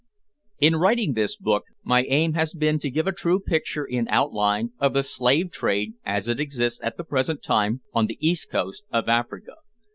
In writing this book, my aim has been to give a true picture in outline of the Slave Trade as it exists at the present time on the east coast of Africa.